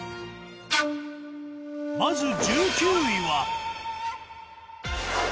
まず１９位は。